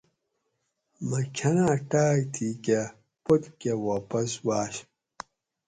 مہ کھناۤں ٹاۤک تھی کہ پوت کہ واپس واںش